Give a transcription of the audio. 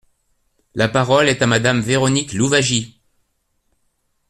La parole est à Madame Véronique Louwagie.